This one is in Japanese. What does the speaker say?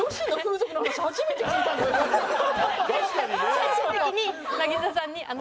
最終的に渚さんに。